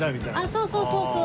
そうそうそうそう！